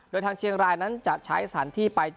โดยทางเชียงรายนั้นจะใช้สถานที่ไป